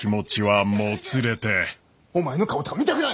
お前の顔とか見たくない！